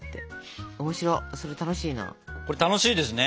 これ楽しいですね！